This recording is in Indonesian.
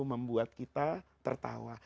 membuat kita tertawa